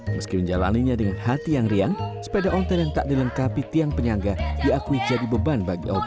meski menjalannya dengan hati yang riang sepeda ontel yang tak dilengkapi tiang penyangga diakui jadi beban bagi opera